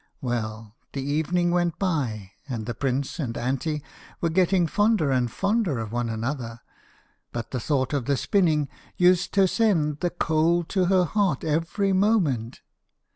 Well, the evening went by, and the prince and Anty were getting fonder and fonder of one another, but the thought of the spinning used toe send the cold to her heart every moment.